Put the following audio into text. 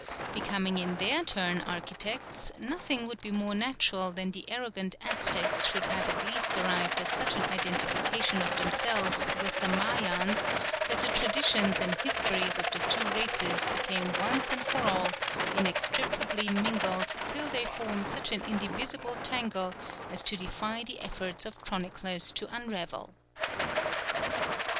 Becoming in their turn architects, nothing would be more natural than that the arrogant Aztecs should have at last arrived at such an identification of themselves with the Mayans that the traditions and histories of the two races became once and for all inextricably mingled till they formed such an indivisible tangle as to defy the efforts of chroniclers to unravel.